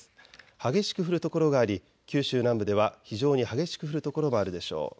激しく降る所があり九州南部では非常に激しく降る所もあるでしょう。